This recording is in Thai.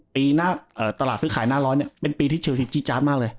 ปีน่ะเอ่อตลาดซื้อขายหน้าร้อนเนี้ยเป็นปีที่เชลสีจี้จ๊าดมากเลย